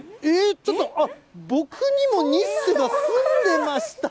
ちょっと、僕にもニッセが住んでました。